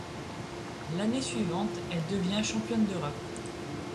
L'année suivante, elle devient championne d'Europe.